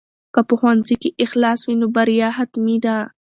که په ښوونځي کې اخلاص وي نو بریا حتمي ده.